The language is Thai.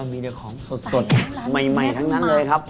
นี่มีความของสดสดใหม่ทั้งนั้นเลยครับ